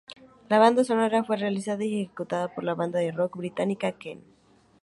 La banda sonora fue realizada y ejecutada por la banda de rock británica Queen.